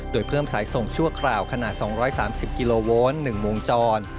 โดยเพิ่มสายส่งชั่วคราวขนาด๒๓๐กิโลโวล๑วงจร